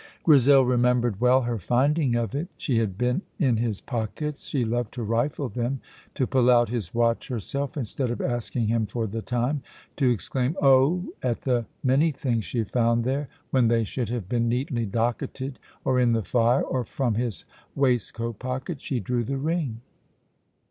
Grizel remembered well her finding of it. She had been in his pockets. She loved to rifle them; to pull out his watch herself, instead of asking him for the time; to exclaim "Oh!" at the many things she found there, when they should have been neatly docketed or in the fire, and from his waistcoat pocket she drew the ring.